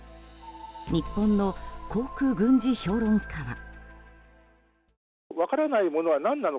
日本の航空軍事評論家は。